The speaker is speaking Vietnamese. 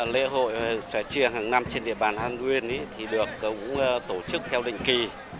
lễ hội xòe chiêng hàng năm trên địa bàn than uyên được tổ chức theo định kỳ